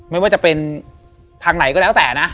ไม่ว่าจะเป็นทางไหนก็แล้วแต่นะ